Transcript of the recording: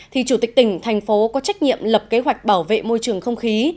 thì chủ tịch tỉnh thành phố có trách nhiệm lập kế hoạch bảo vệ môi trường không khí